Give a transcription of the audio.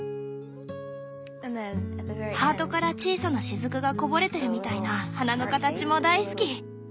ハートから小さな滴がこぼれてるみたいな花の形も大好き。